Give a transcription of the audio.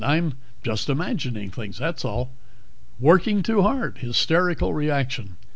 I'm just imagining things, that's all. Working too hard, hysterical reaction.